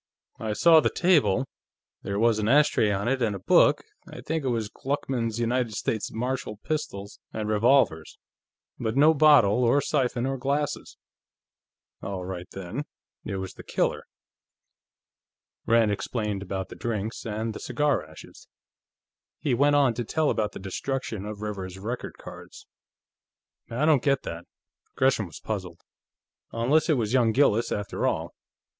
"I saw the table. There was an ashtray on it, and a book I think it was Gluckman's United States Martial Pistols and Revolvers but no bottle, or siphon, or glasses." "All right, then; it was the killer." Rand explained about the drinks, and the cigar ashes. He went on to tell about the destruction of Rivers's record cards. "I don't get that." Gresham was puzzled. "Unless it was young Gillis, after all.